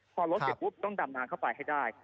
พอลดเสร็จปุ๊บต้องดำน้ำเข้าไปให้ได้